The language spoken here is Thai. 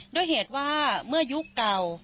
ด้วยเหตุว่าเมื่อยุคเก่า